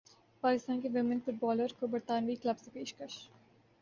پاکستان کی women footballer کو برطانوی کلب سے پیشکش